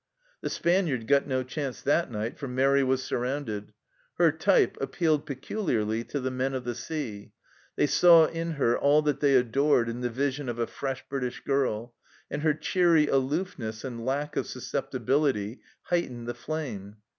The " Spaniard " got no chance that night, for Mairi was surrounded. Her type appealed peculiarly to the men of the sea ; they saw in her all that they adored in the vision of a " fresh British girl," and her cheery aloofness and lack of susceptibility heightened the flame.